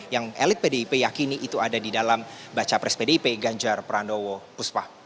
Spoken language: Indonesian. yang elit pdip yakini itu ada di dalam baca pres pdip ganjar pranowo puspa